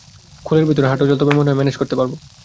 খোলের ভিতর হাঁটু জল, তবে মনে হয় ম্যানেজ করতে পারবো।